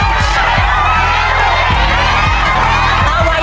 กลวง